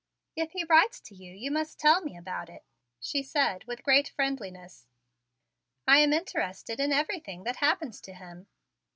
"If he writes to you, you must tell me about it," she said with great friendliness. "I am interested in everything that happens to him."